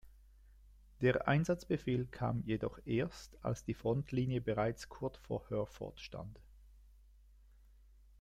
Der Einsatzbefehl kam jedoch erst, als die Frontlinie bereits kurz vor Herford stand.